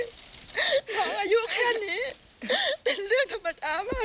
น้องอายุแค่นี้เป็นเรื่องธรรมดามาก